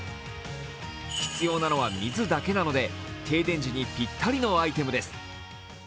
必要なのは水だけなので、停電時にぴったりのアイテムです。